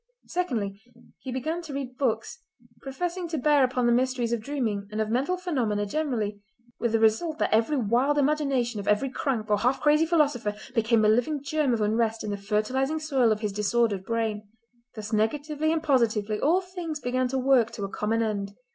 Secondly he began to read books professing to bear upon the mysteries of dreaming and of mental phenomena generally, with the result that every wild imagination of every crank or half crazy philosopher became a living germ of unrest in the fertilising soil of his disordered brain. Thus negatively and positively all things began to work to a common end.